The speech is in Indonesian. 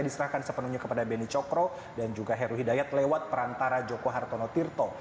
diserahkan sepenuhnya kepada beni cokro dan juga heru hidayat lewat perantara joko hartono tirto